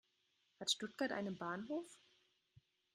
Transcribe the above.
Hat Stuttgart einen Bahnhof?